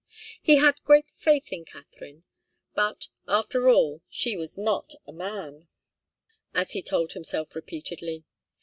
He had great faith in Katharine, but, after all, she was not a man, as he told himself repeatedly.